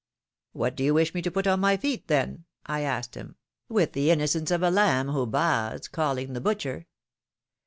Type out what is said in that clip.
^^MVhat do you wish me to put on my feet, then?^ I asked him, with the innocence of a lamb who baas, calling the butcher.